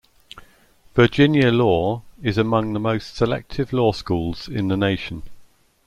Virginia Law is among the most selective law schools in the nation.